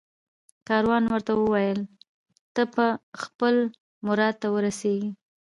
کاروان ورته وویل ته به خپل مراد ته ورسېږې